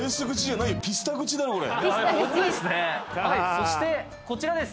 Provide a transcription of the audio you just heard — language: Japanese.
そしてこちらです